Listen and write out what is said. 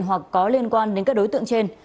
hoặc có liên quan đến các đối tượng trên